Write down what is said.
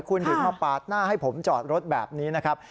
คุณถึงมาปาดหน้าให้ผมจอดรถแบบนี้นะครับ